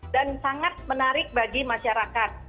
dan sangat menarik bagi masyarakat